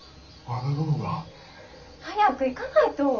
早く行かないと！